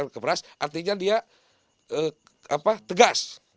keras artinya dia tegas